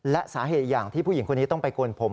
และสาเหตุอย่างที่ผู้หญิงคนนี้ต้องไปโกนผม